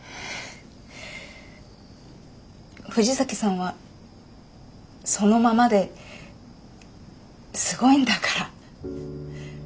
藤崎さんはそのままですごいんだから。